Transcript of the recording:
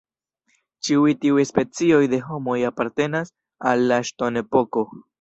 Ĉiuj tiuj specioj de homoj apartenas al la ŝtonepoko.